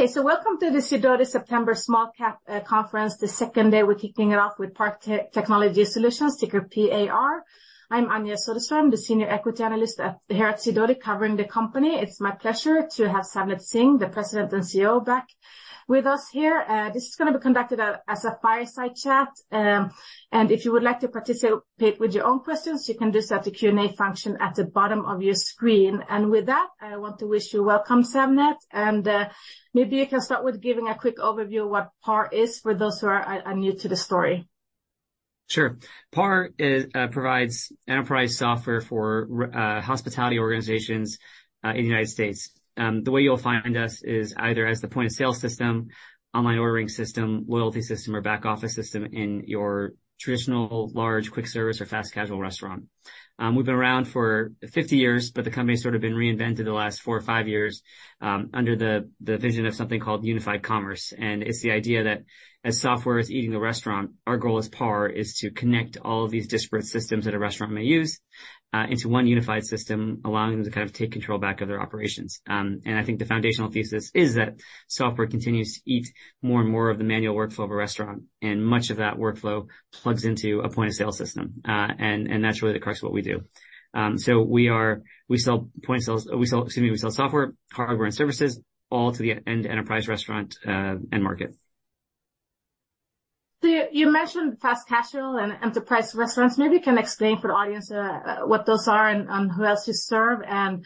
Okay, so welcome to the Sidoti September Small Cap Conference, the second day. We're kicking it off with PAR Technology, ticker PAR. I'm Anja Soderstrom, the senior equity analyst at, here at Sidoti, covering the company. It's my pleasure to have Savneet Singh, the president and CEO, back with us here. This is gonna be conducted as a fireside chat, and if you would like to participate with your own questions, you can just use the Q&A function at the bottom of your screen. And with that, I want to wish you welcome, Savneet, and maybe you can start with giving a quick overview of what PAR is, for those who are new to the story. Sure. PAR is provides enterprise software for hospitality organizations in the United States. The way you'll find us is either as the point-of-sale system, online ordering system, loyalty system, or Back Office system in your traditional large quick service or fast casual restaurant. We've been around for 50 years, but the company's sort of been reinvented the last four or five years, under the vision of something called unified commerce. And it's the idea that as software is eating the restaurant, our goal as PAR is to connect all of these disparate systems that a restaurant may use into one unified system, allowing them to kind of take control back of their operations. And I think the foundational thesis is that software continues to eat more and more of the manual workflow of a restaurant, and much of that workflow plugs into a point-of-sale system. And that's really the crux of what we do. So we sell software, hardware, and services, all to the enterprise restaurant end market. You mentioned fast casual and enterprise restaurants. Maybe you can explain for the audience what those are and who else you serve, and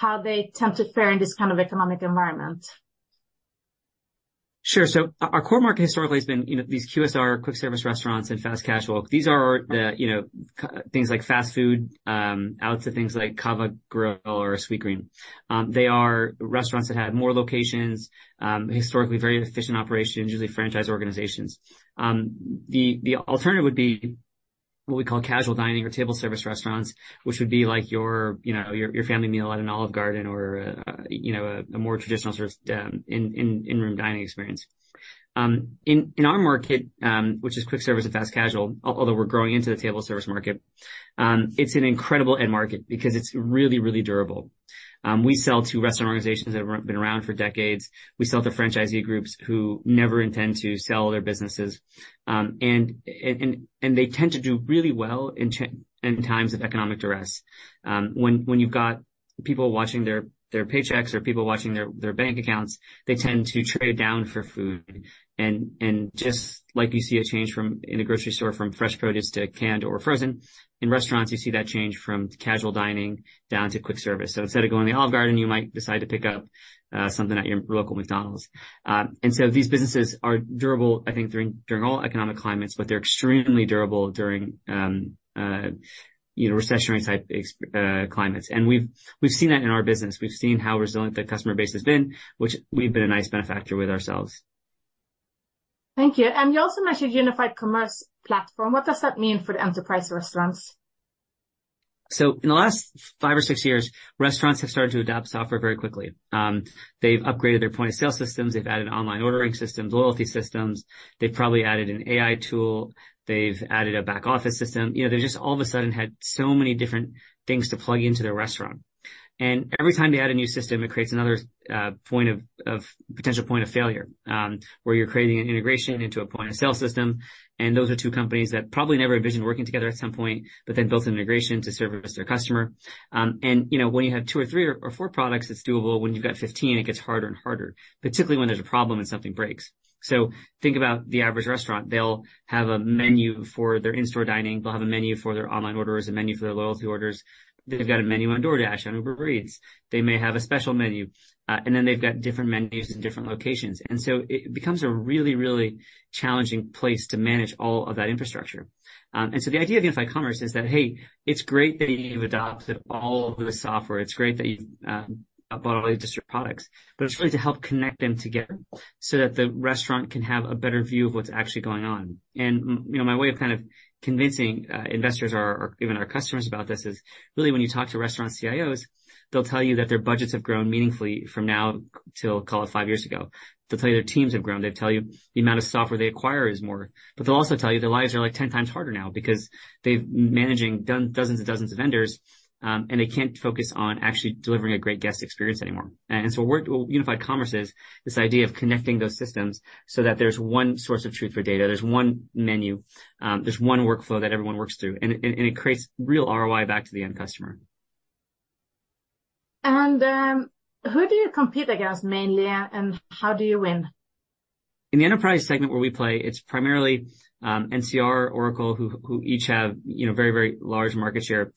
how they tend to fare in this kind of economic environment. Sure. Our core market historically has been, you know, these QSR, quick-service restaurants and fast casual. These are the, you know, things like fast food, you know, out to things like CAVA or Sweetgreen. They are restaurants that have more locations, historically very efficient operations, usually franchise organizations. The alternative would be what we call casual dining or table-service restaurants, which would be like your, you know, your family meal at an Olive Garden or, you know, a more traditional sort of in-room dining experience. In our market, which is quick service and fast casual, although we're growing into the table service market, it's an incredible end market because it's really, really durable. We sell to restaurant organizations that have been around for decades. We sell to franchisee groups who never intend to sell their businesses. And they tend to do really well in challenging times of economic duress. When you've got people watching their paychecks or people watching their bank accounts, they tend to trade down for food. And just like you see a change from, in a grocery store, from fresh produce to canned or frozen, in restaurants, you see that change from casual dining down to quick service. So instead of going to Olive Garden, you might decide to pick up something at your local McDonald's. And so these businesses are durable, I think, during all economic climates, but they're extremely durable during, you know, recessionary type climates. And we've seen that in our business. We've seen how resilient the customer base has been, which we've been a nice benefactor with ourselves. Thank you. You also mentioned Unified Commerce Platform. What does that mean for the enterprise restaurants? So in the last five or six years, restaurants have started to adapt software very quickly. They've upgraded their point-of-sale systems, they've added online ordering systems, loyalty systems. They've probably added an AI tool. They've added a Back Office system. You know, they've just all of a sudden had so many different things to plug into their restaurant. And every time they add a new system, it creates another potential point of failure, where you're creating an integration into a point-of-sale system, and those are two companies that probably never envisioned working together at some point, but then built an integration to service their customer. And, you know, when you have two or three or four products, it's doable. When you've got 15, it gets harder and harder, particularly when there's a problem and something breaks. So think about the average restaurant. They'll have aMENUYou know, my way of kind of convincing investors or even our customers about this is, really, when you talk to restaurant CIOs, they'll tell you that their budgets have grown meaningfully from now till, call it, five years ago. They'll tell you their teams have grown. They'll tell you the amount of software they acquire is more. But they'll also tell you their lives are, like, 10x harder now because they're managing dozens and dozens of vendors, and they can't focus on actually delivering a great guest experience anymore. And so what unified commerce is, this idea of connecting those systems so that there's one source of truth for data, there's one MENU Who do you compete against mainly, and how do you win? In the enterprise segment where we play, it's primarily NCR, Oracle, who each have, you know, very, very large market share,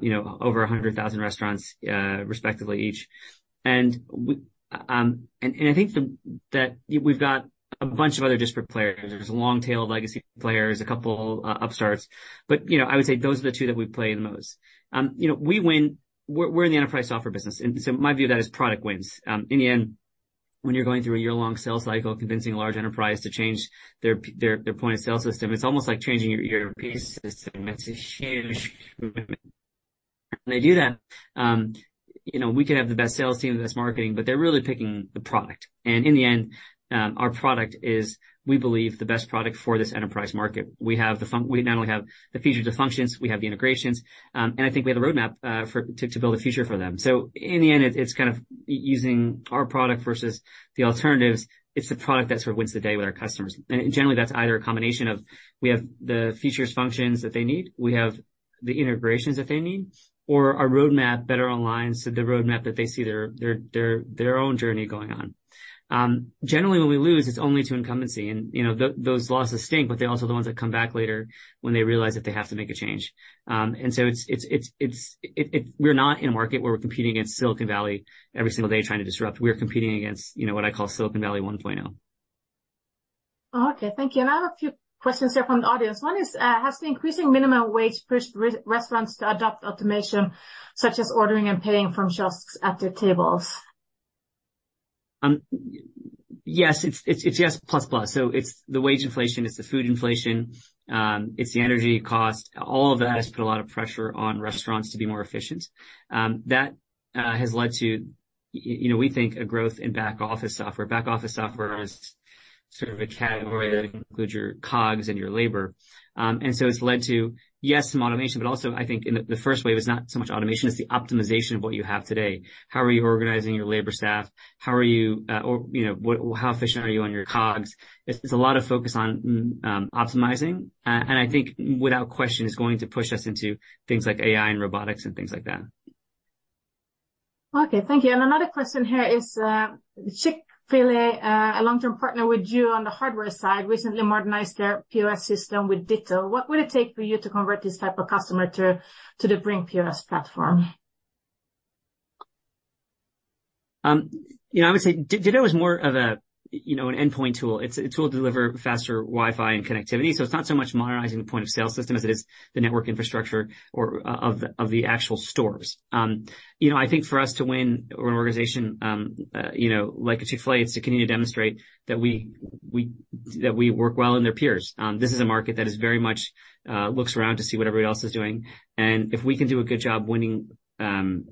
you know, over 100,000 restaurants, respectively, each. And and I think that we've got a bunch of other disparate players. There's a long tail of legacy players, a couple upstarts, but, you know, I would say those are the two that we play the most. You know, we win... We're, we're in the enterprise software business, and so my view of that is product wins. In the end, when you're going through a year-long sales cycle, convincing a large enterprise to change their their point-of-sale system, it's almost like changing your ERP system. It's a huge commitment. When they do that, you know, we can have the best sales team, the best marketing, but they're really picking the product. And in the end, our product is, we believe, the best product for this enterprise market. We have the functions. We not only have the features, the functions, we have the integrations, and I think we have the roadmap for to build a future for them. So in the end, it's kind of using our product versus the alternatives. It's the product that sort of wins the day with our customers. And generally, that's either a combination of, we have the features, functions that they need, we have the integrations that they need, or our roadmap better aligns to the roadmap that they see their own journey going on. Generally, when we lose, it's only to incumbency, and, you know, those losses stink, but they're also the ones that come back later when they realize that they have to make a change. And so it's, we're not in a market where we're competing against Silicon Valley every single day trying to disrupt. We're competing against, you know, what I call Silicon Valley 1.0. Okay, thank you. And I have a few questions here from the audience. One is, has the increasing minimum wage pushed restaurants to adopt automation, such as ordering and paying from kiosks at their tables? Yes, it's plus plus. So it's the wage inflation, it's the food inflation, it's the energy cost. All of that has put a lot of pressure on restaurants to be more efficient. That has led to, you know, we think, a growth in back-office software. Back-office software is sort of a category that includes your COGS and your labor. And so it's led to, yes, some automation, but also I think in the first wave, it's not so much automation, it's the optimization of what you have today. How are you organizing your labor staff? How are you, or, you know, what, how efficient are you on your COGS? It's a lot of focus on optimizing, and I think without question, it's going to push us into things like AI and robotics and things like that. Okay, thank you. Another question here is, Chick-fil-A, a long-term partner with you on the hardware side, recently modernized their POS system with Ditto. What would it take for you to convert this type of customer to the Brink POS platform? You know, I would say Ditto is more of a, you know, an endpoint tool. It's a tool to deliver faster Wi-Fi and connectivity. So it's not so much modernizing the point-of-sale system as it is the network infrastructure of the actual stores. You know, I think for us to win an organization, you know, like a Chick-fil-A, it's to continue to demonstrate that we, that we work well with their peers. This is a market that is very much looks around to see what everybody else is doing. And if we can do a good job winning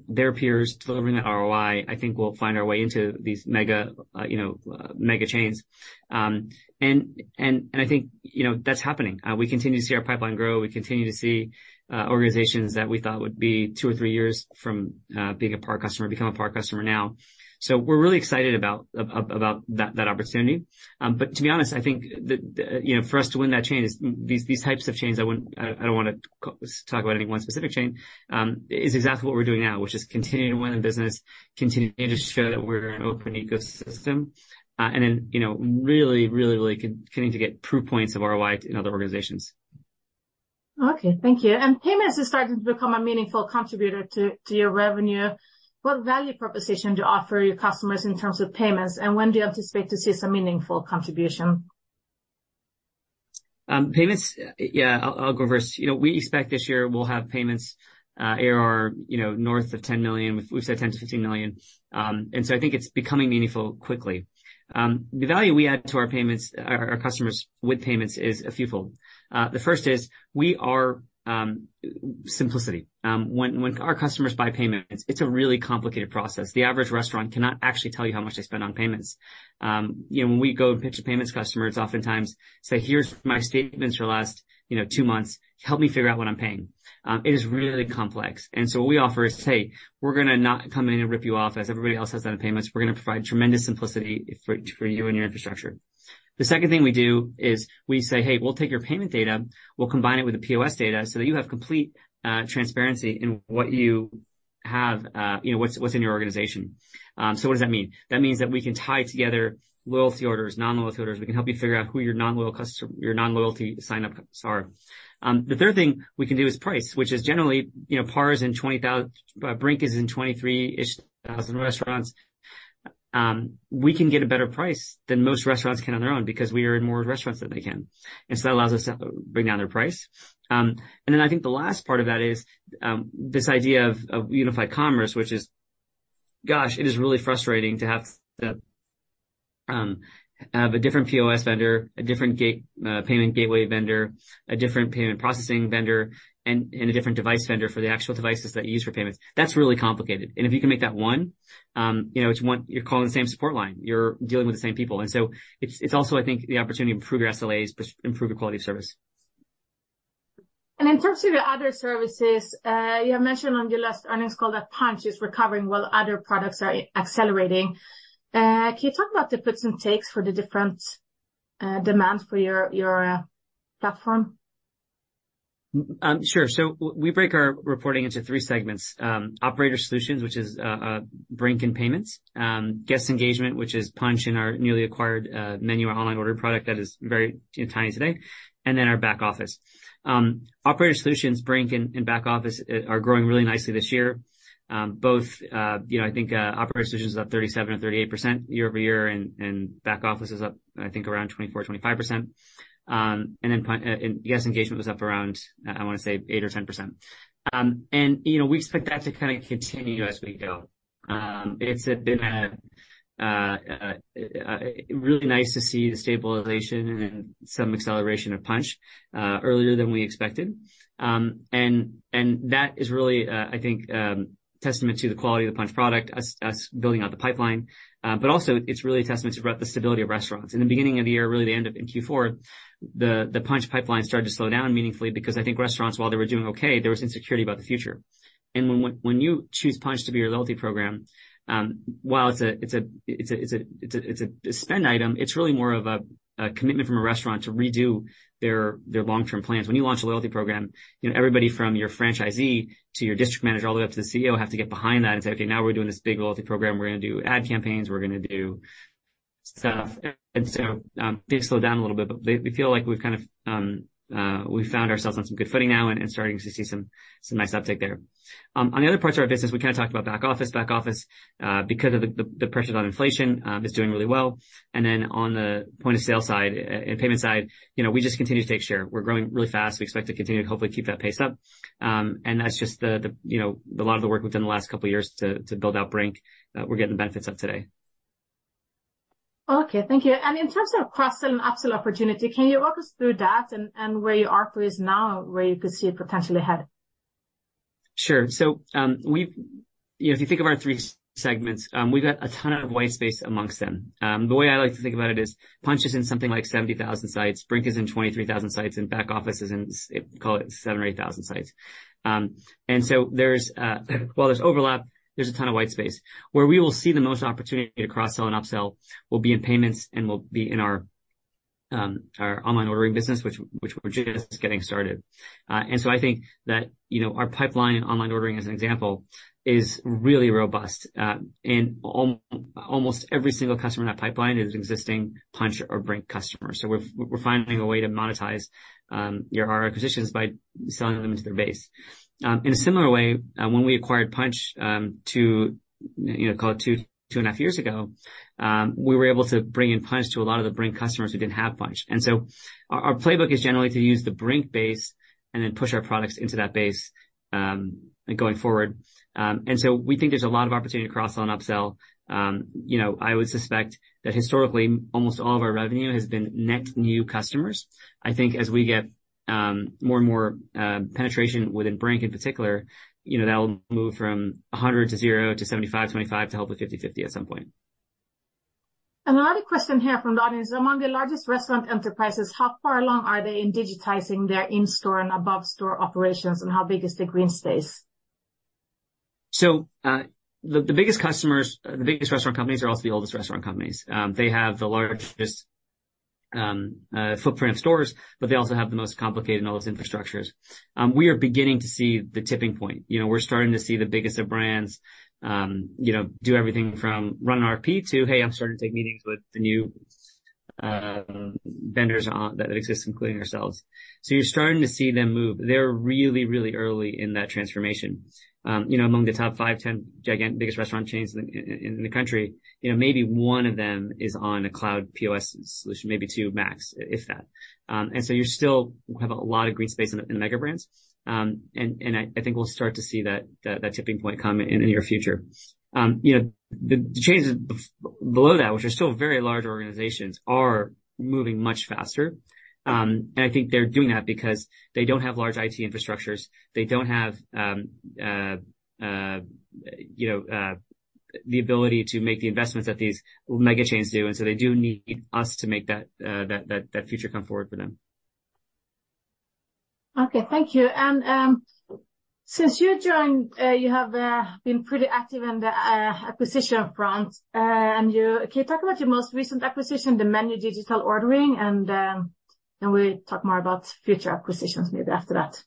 their peers, delivering that ROI, I think we'll find our way into these mega, you know, mega chains. And I think, you know, that's happening. We continue to see our pipeline grow. We continue to see organizations that we thought would be two or three years from being a PAR customer, become a PAR customer now. So we're really excited about that opportunity. But to be honest, I think that, you know, for us to win that chain is these types of chains, I don't want to talk about any one specific chain is exactly what we're doing now, which is continuing to win in business, continuing to show that we're an open ecosystem, and then, you know, really, really, really continuing to get proof points of ROI in other organizations. Okay, thank you. Payments is starting to become a meaningful contributor to your revenue. What value proposition do you offer your customers in terms of payments, and when do you anticipate to see some meaningful contribution? Payments, yeah, I'll go reverse. You know, we expect this year we'll have payments ARR, you know, north of $10 million. We've said $10-$15 million. And so I think it's becoming meaningful quickly. The value we add to our payments, our customers with payments is a fewfold. The first is, we are simplicity. When our customers buy payments, it's a really complicated process. The average restaurant cannot actually tell you how much they spend on payments. You know, when we go to pitch a payments customer, it's oftentimes say: "Here's my statements for the last, you know, two months. Help me figure out what I'm paying." It is really complex, and so what we offer is, hey, we're gonna not come in and rip you off, as everybody else has done in payments. We're gonna provide tremendous simplicity for, for you and your infrastructure. The second thing we do is we say: Hey, we'll take your payment data, we'll combine it with the POS data, so that you have complete, transparency in what you have, you know, what's, what's in your organization. So what does that mean? That means that we can tie together loyalty orders, non-loyalty orders. We can help you figure out who your non-loyal customer, your non-loyalty signups are. The third thing we can do is price, which is generally, you know, PAR's in 20,000, Brink is in 23,000-ish restaurants. We can get a better price than most restaurants can on their own because we are in more restaurants than they can, and so that allows us to bring down their price. And then I think the last part of that is this idea of unified commerce, which is, gosh, it is really frustrating to have a different POS vendor, a different payment gateway vendor, a different payment processing vendor, and a different device vendor for the actual devices that you use for payments. That's really complicated. And if you can make that one, you know, it's one—you're calling the same support line, you're dealing with the same people. And so it's also, I think, the opportunity to improve your SLAs, but improve your quality of service. In terms of your other services, you have mentioned on your last earnings call that Punchh is recovering while other products are accelerating. Can you talk about the puts and takes for the different demand for your platform? Sure. So we break our reporting into three segments: Operator Solutions, which is Brink and Payments. Guest Engagement, which is Punchh and our newly acquired MENU and online ordering product that is very tiny today, and then our Back Office. Operator Solutions, Brink and Back Office are growing really nicely this year. Both, you know, I think, Operator Solutions is up 37%-38% year-over-year, and Back Office is up, I think, around 24%-25%. And then Punchh and guest Engagement was up around, I wanna say 8%-10%. And, you know, we expect that to kind of continue as we go. It's been a really nice to see the stabilization and some acceleration of Punchh earlier than we expected. I think that is really, I think, testament to the quality of the Punchh product, us building out the pipeline. Also, it's really a testament to the stability of restaurants. In the beginning of the year, really the end of Q4, the Punchh pipeline started to slow down meaningfully because I think restaurants, while they were doing okay, there was insecurity about the future. When you choose Punchh to be your loyalty program, while it's a spend item, it's really more of a commitment from a restaurant to redo their long-term plans. When you launch a loyalty program, you know, everybody from your franchisee to your district manager, all the way up to the CEO, have to get behind that and say, "Okay, now we're doing this big loyalty program. We're going to do ad campaigns, we're going to do stuff." And so, things slowed down a little bit, but we feel like we've kind of, we've found ourselves on some good footing now and starting to see some nice uptick there. On the other parts of our business, we kind of talked about Back Office. Back Office, because of the pressures on inflation, is doing really well. And then on the point-of-sale side and payment side, you know, we just continue to take share. We're growing really fast. We expect to continue to hopefully keep that pace up. And that's just, you know, a lot of the work within the last couple of years to build out Brink. We're getting the benefits of today. Okay, thank you. In terms of cross-sell and upsell opportunity, can you walk us through that and, and where you are with now, where you could see it potentially ahead? Sure. So, we've—if you think of our three segments, we've got a ton of white space amongst them. The way I like to think about it is, Punchh is in something like 70,000 sites, Brink is in 23,000 sites, and Back Office is in, call it seven or eight thousand sites. And so there's, while there's overlap, there's a ton of white space. Where we will see the most opportunity to cross-sell and upsell will be in payments and will be in our, our online ordering business, which, which we're just getting started. And so I think that, you know, our pipeline in online ordering, as an example, is really robust. And almost every single customer in that pipeline is an existing Punchh or Brink customer. So we're finding a way to monetize our acquisitions by selling them into their base. In a similar way, when we acquired Punchh two, you know, call it two to 2.5 years ago, we were able to bring in Punchh to a lot of the Brink customers who didn't have Punchh. And so our playbook is generally to use the Brink base and then push our products into that base going forward. And so we think there's a lot of opportunity to cross-sell and upsell. You know, I would suspect that historically, almost all of our revenue has been net new customers. I think as we get more and more penetration within Brink in particular, you know, that will move from 100 to 0 to 75, 25, to hopefully 50/50 at some point. Another question here from the audience: Among the largest restaurant enterprises, how far along are they in digitizing their in-store and above-store operations, and how big is the green space? So, the biggest customers, the biggest restaurant companies are also the oldest restaurant companies. They have the largest footprint stores, but they also have the most complicated and oldest infrastructures. We are beginning to see the tipping point. You know, we're starting to see the biggest of brands, you know, do everything from run an RFP to, "Hey, I'm starting to take meetings with the new vendors on-- that exist, including ourselves." So you're starting to see them move. They're really, really early in that transformation. You know, among the top five, 10 gigantic- biggest restaurant chains in the country, you know, maybe one of them is on a cloud POS solution, maybe two max, if that. And so you still have a lot of green space in the mega brands. I think we'll start to see that tipping point come in the near future. You know, the chains below that, which are still very large organizations, are moving much faster. I think they're doing that because they don't have large IT infrastructures. They don't have, you know, the ability to make the investments that these mega chains do, and so they do need us to make that future come forward for them. Okay, thank you. Since you joined, you have been pretty active in the acquisition front. Can you talk about your most recent acquisition, the MENU Digital Ordering, and can we talk more about future acquisitions maybe after that?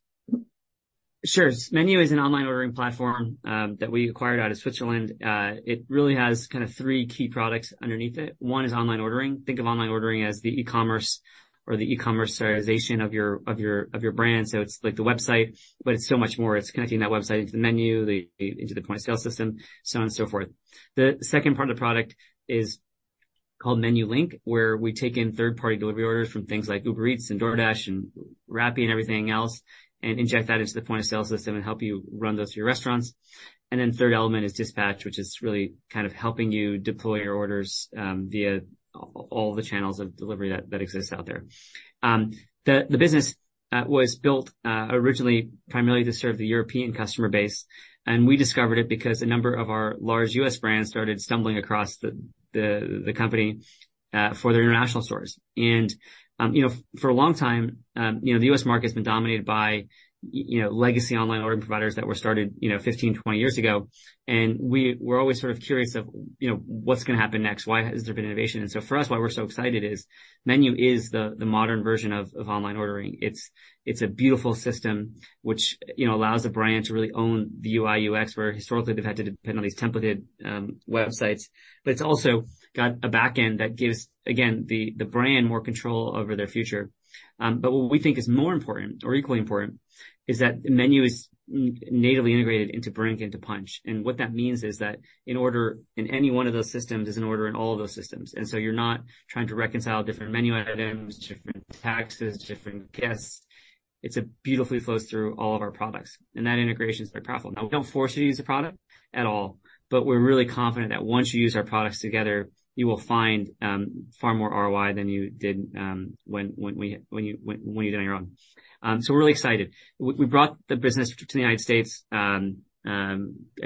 Sure. MENU is an online ordering platform that we acquired out of Switzerland. It really has kind of three key products underneath it. One is online ordering. Think of online ordering as the e-commerce or the e-commerceization of your, of your, of your brand. It's like the website, but it's so much more. It's connecting that website into the MENU, into the point of sale system, so on and so forth. The second part of the product is called MENU Link, where we take in third-party delivery orders from things like Uber Eats and DoorDash and Rappi and everything else, and inject that into the point-of-sale system and help you run those through your restaurants. The third element is Dispatch, which is really kind of helping you deploy your orders via all the channels of delivery that exist out there. The business was built originally primarily to serve the European customer base, and we discovered it because a number of our large US brands started stumbling across the company for their international stores. And, you know, for a long time, you know, the US market has been dominated by, you know, legacy online ordering providers that were started, you know, 15years, 20 years ago. And we were always sort of curious of, you know, what's going to happen next? Why has there been innovation? And so for us, why we're so excited is MENU is the modern version of online ordering. It's a beautiful system which, you know, allows the brand to really own the UI/UX, where historically, they've had to depend on these templated websites. But it's also got a back end that gives, again, the brand more control over their future. But what we think is more important or equally important is that MENU is natively integrated into Brink, into Punchh. And what that means is that an order in any one of those systems is an order in all of those systems. And so you're not trying to reconcile different MENU items, different taxes, different guests. It beautifully flows through all of our products, and that integration is very powerful. Now, we don't force you to use the product at all, but we're really confident that once you use our products together, you will find far more ROI than you did when you did it on your own. So we're really excited. We brought the business to the United States. I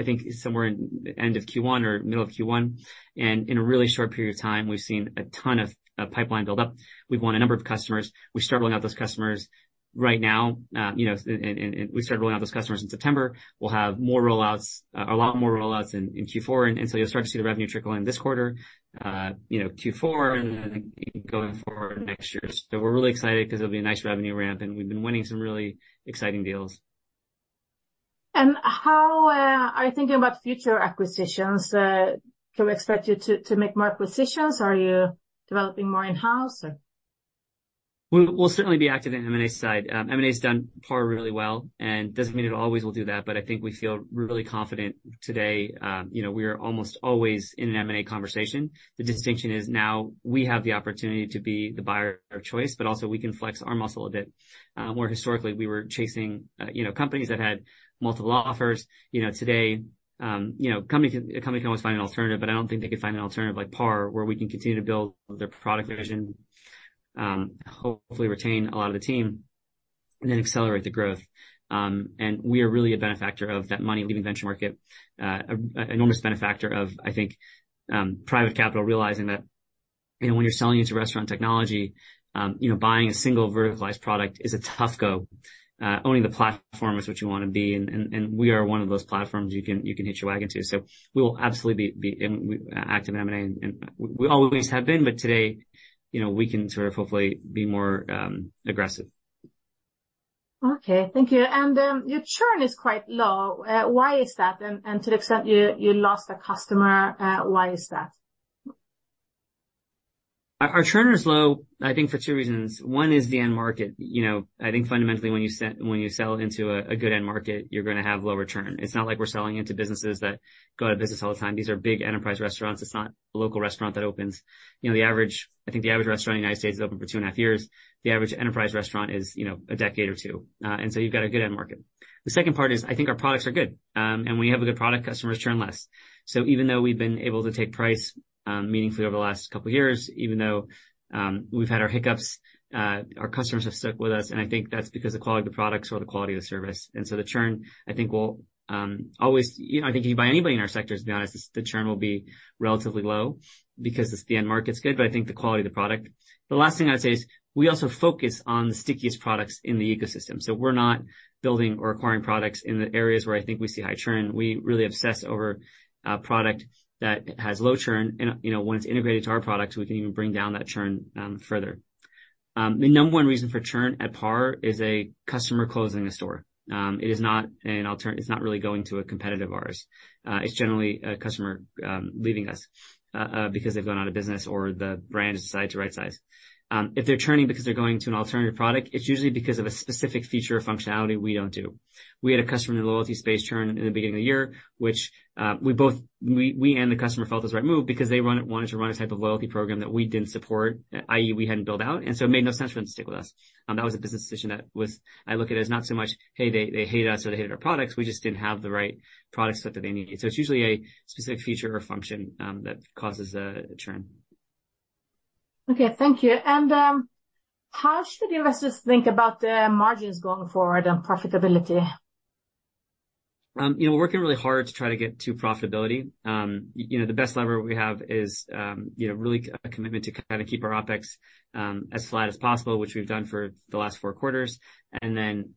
think somewhere in the end of Q1 or middle of Q1, and in a really short period of time, we've seen a ton of pipeline build up. We've won a number of customers. We start rolling out those customers right now, you know, and we started rolling out those customers in September. We'll have more rollouts, a lot more rollouts in Q4, and so you'll start to see the revenue trickle in this quarter, you know, Q4, and then going forward next year. So we're really excited because it'll be a nice revenue ramp, and we've been winning some really exciting deals.... How are you thinking about future acquisitions? Can we expect you to make more acquisitions? Are you developing more in-house, or? We'll certainly be active in M&A side. M&A's done PAR really well, and doesn't mean it always will do that, but I think we feel really confident today. You know, we are almost always in an M&A conversation. The distinction is now we have the opportunity to be the buyer of choice, but also we can flex our muscle a bit. More historically, we were chasing, you know, companies that had multiple offers. You know, today, you know, a company can always find an alternative, but I don't think they could find an alternative like PAR, where we can continue to build their product vision, hopefully retain a lot of the team and then accelerate the growth. And we are really a benefactor of that money leaving venture market. An enormous benefactor of, I think, private capital, realizing that, you know, when you're selling into restaurant technology, you know, buying a single verticalized product is a tough go. Owning the platform is what you wanna be, and we are one of those platforms you can hitch your wagon to. So we will absolutely be in active M&A, and we always have been, but today, you know, we can sort of hopefully be more aggressive. Okay, thank you. Your churn is quite low. Why is that? To the extent you lost a customer, why is that? Our churn is low, I think, for two reasons. One is the end market. You know, I think fundamentally, when you sell into a good end market, you're gonna have low return. It's not like we're selling into businesses that go out of business all the time. These are big enterprise restaurants. It's not a local restaurant that opens. You know, the average—I think the average restaurant in the United States is open for 2.5 years. The average enterprise restaurant is, you know, a decade or two, and so you've got a good end market. The second part is, I think our products are good, and when you have a good product, customers churn less. So even though we've been able to take price, meaningfully over the last couple of years, even though, we've had our hiccups, our customers have stuck with us, and I think that's because the quality of the products or the quality of the service. And so the churn, I think, will always. You know, I think if you buy anybody in our sector, to be honest, the churn will be relatively low because the end market's good, but I think the quality of the product. The last thing I'd say is, we also focus on the stickiest products in the ecosystem, so we're not building or acquiring products in the areas where I think we see high churn. We really obsess over a product that has low churn and, you know, when it's integrated to our products, we can even bring down that churn, further. The number one reason for churn at PAR is a customer closing a store. It is not an alternative—it's not really going to a competitive POS. It's generally a customer leaving us because they've gone out of business or the brand has decided to rightsize. If they're churning because they're going to an alternative product, it's usually because of a specific feature or functionality we don't do. We had a customer in the loyalty space churn in the beginning of the year, which both we and the customer felt was the right move because they wanted to run a type of loyalty program that we didn't support, i.e., we hadn't built out, and so it made no sense for them to stick with us. That was a business decision that was. I look at it as not so much, "Hey, they hate us, or they hate our products." We just didn't have the right product set that they needed. So it's usually a specific feature or function that causes the churn. Okay, thank you. How should the investors think about the margins going forward and profitability? You know, we're working really hard to try to get to profitability. You know, the best lever we have is, you know, really a commitment to kinda keep our OpEx as flat as possible, which we've done for the last four quarters, and then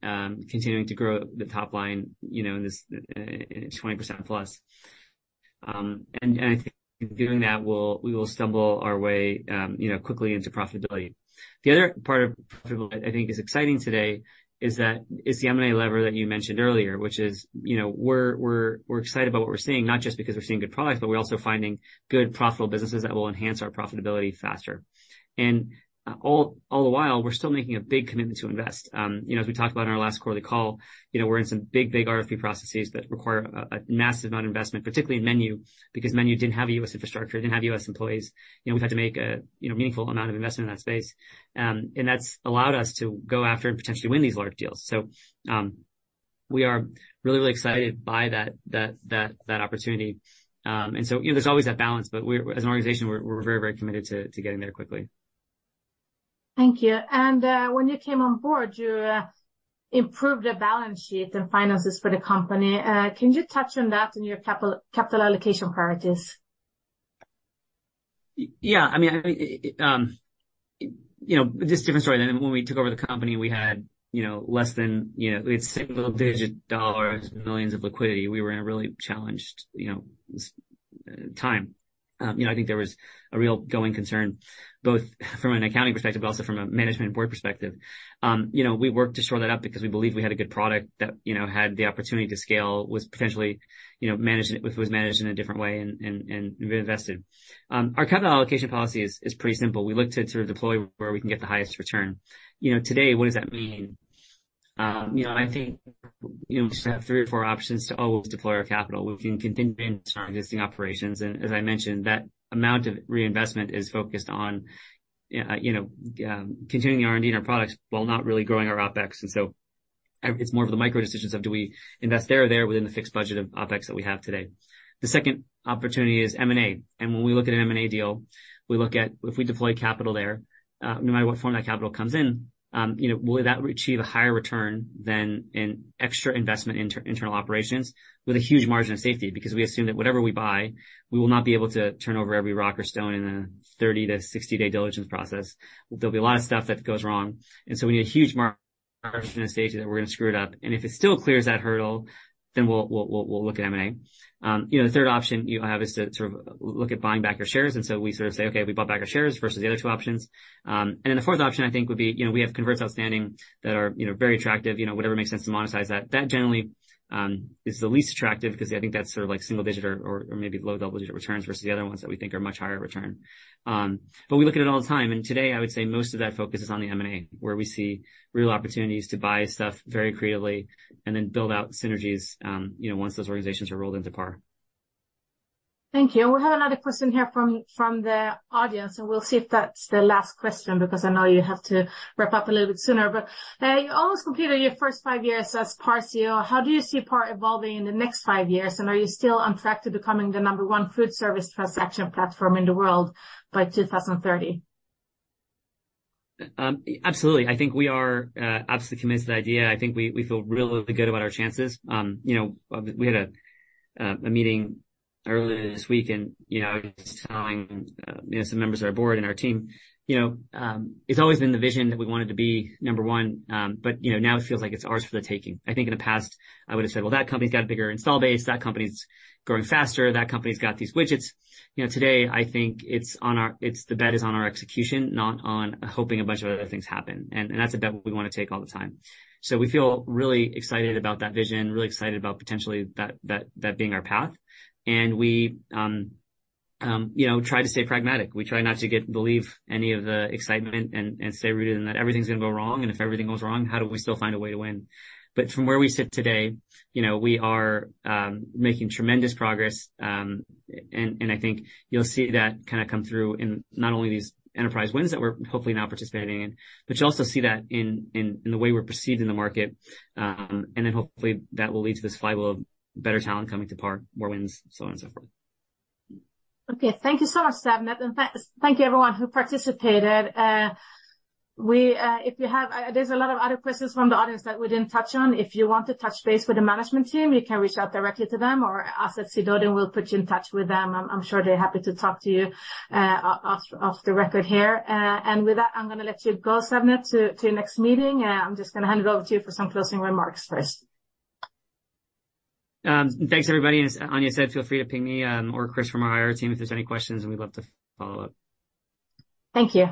continuing to grow the top line, you know, in this 20%+. And I think doing that, we'll stumble our way, you know, quickly into profitability. The other part of profitability I think is exciting today is that, is the M&A lever that you mentioned earlier, which is, you know, we're excited about what we're seeing, not just because we're seeing good products, but we're also finding good, profitable businesses that will enhance our profitability faster. And all the while, we're still making a big commitment to invest. You know, as we talked about in our last quarterly call, you know, we're in some big, big RFP processes that require a massive amount of investment, particularly in MENU, because MENU didn't have a U.S. infrastructure, it didn't have U.S. employees. You know, we've had to make a meaningful amount of investment in that space. You know, that's allowed us to go after and potentially win these large deals. We are really, really excited by that, that, that opportunity. You know, there's always that balance, but we're, as an organization, we're very, very committed to getting there quickly. Thank you. When you came on board, you improved the balance sheet and finances for the company. Can you touch on that and your capital, capital allocation priorities? Yeah, I mean, I, you know, just different story. Then, when we took over the company, we had, you know, less than, you know, single-digit millions of dollars liquidity. We were in a really challenged, you know, time. You know, I think there was a real going concern, both from an accounting perspective, but also from a management and board perspective. You know, we worked to shore that up because we believed we had a good product that, you know, had the opportunity to scale, was potentially, you know, managed, if it was managed in a different way and, and, and we invested. Our capital allocation policy is pretty simple. We look to sort of deploy where we can get the highest return. You know, today, what does that mean? You know, I think, you know, we just have three or four options to always deploy our capital. We can continue to invest in our existing operations, and as I mentioned, that amount of reinvestment is focused on, you know, continuing the R&D in our products while not really growing our OpEx. So it's more of the micro decisions of do we invest there or there within the fixed budget of OpEx that we have today. The second opportunity is M&A, and when we look at an M&A deal, we look at if we deploy capital there, no matter what form that capital comes in, you know, will that achieve a higher return than an extra investment in internal operations with a huge margin of safety? Because we assume that whatever we buy, we will not be able to turn over every rock or stone in a 30- to 60-day diligence process. There'll be a lot of stuff that goes wrong, and so we need a huge margin in a stage that we're gonna screw it up, and if it still clears that hurdle, then we'll look at M&A. You know, the third option you have is to sort of look at buying back your shares, and so we sort of say, "Okay, we bought back our shares versus the other two options." And then the fourth option, I think, would be, you know, we have converts outstanding that are, you know, very attractive, you know, whatever makes sense to monetize that. That generally is the least attractive, because I think that's sort of like single-digit or, or maybe low double-digit returns versus the other ones that we think are much higher return. But we look at it all the time, and today, I would say most of that focus is on the M&A, where we see real opportunities to buy stuff very creatively and then build out synergies, you know, once those organizations are rolled into PAR. Thank you. We have another question here from the audience, and we'll see if that's the last question, because I know you have to wrap up a little bit sooner. But you almost completed your first five years as PAR CEO. How do you see PAR evolving in the next five years, and are you still on track to becoming the number one food service transaction platform in the world by 2030? Absolutely. I think we are absolutely committed to the idea. I think we feel really good about our chances. You know, we had a meeting earlier this week, and you know, I was telling you know, some members of our board and our team, you know, it's always been the vision that we wanted to be number one, but you know, now it feels like it's ours for the taking. I think in the past, I would have said, "Well, that company's got a bigger install base, that company's growing faster, that company's got these widgets." You know, today, I think it's on our, it's the bet is on our execution, not on hoping a bunch of other things happen, and that's a bet we wanna take all the time. So we feel really excited about that vision, really excited about potentially that being our path. And we, you know, try to stay pragmatic. We try not to get—believe any of the excitement and stay rooted in that everything's gonna go wrong, and if everything goes wrong, how do we still find a way to win? But from where we sit today, you know, we are making tremendous progress, and I think you'll see that kind of come through in not only these enterprise wins that we're hopefully now participating in, but you'll also see that in the way we're perceived in the market. And then hopefully, that will lead to this flywheel of better talent coming to PAR, more wins, so on and so forth. Okay, thank you so much, Savneet, and thanks, thank you, everyone who participated. If you have... There's a lot of other questions from the audience that we didn't touch on. If you want to touch base with the management team, you can reach out directly to them, or us at Sidoti, and we'll put you in touch with them. I'm sure they're happy to talk to you off the record here. And with that, I'm gonna let you go, Savneet, to your next meeting. I'm just gonna hand it over to you for some closing remarks first. Thanks, everybody. As Anja said, feel free to ping me, or Chris from our IR team if there's any questions, and we'd love to follow up. Thank you.